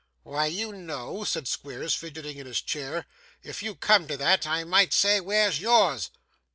'Why, you know,' said Squeers, fidgeting in his chair, 'if you come to that, I might say where's yours?